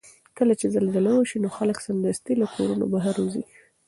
کله چې زلزله وشي نو خلک سمدستي له کورونو بهر وځي.